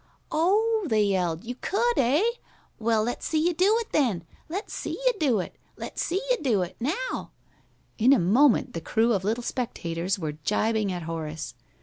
"Oh," they yelled, "you could, eh? Well, let's see you do it, then! Let's see you do it! Let's see you do it! Now!" In a moment the crew of little spectators were gibing at Horace.